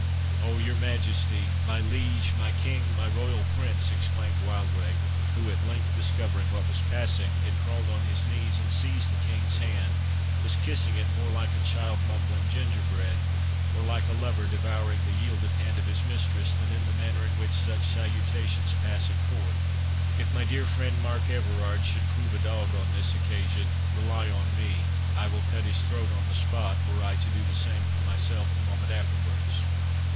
"Oh, your Majesty! my Liege! my King! my royal Prince!" exclaimed Wildrake, who, at length discovering what was passing, had crawled on his knees, and seizing the King's hand, was kissing it, more like a child mumbling gingerbread, or like a lover devouring the yielded hand of his mistress, than in the manner in which such salutations pass at court—"If my dear friend Mark Everard should prove a dog on this occasion, rely on me I will cut his throat on the spot, were I to do the same for myself the moment afterwards!"